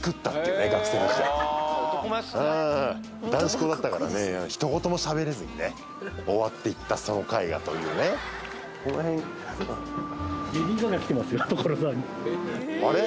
うん男子校だったからねひと言もしゃべれずにね終わっていったその会がというねこの辺あれ？